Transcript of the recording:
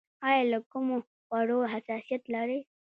ایا له کومو خوړو حساسیت لرئ؟